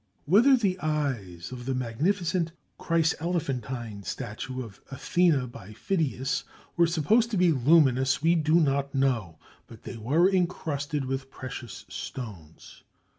Whether the eyes of the magnificent chryselephantine statue of Athene by Phidias were supposed to be luminous we do not know, but they were incrusted with precious stones.